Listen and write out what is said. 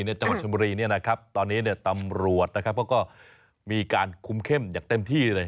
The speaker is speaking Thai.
จังหวัดชนบุรีตอนนี้ตำรวจเขาก็มีการคุมเข้มอย่างเต็มที่เลย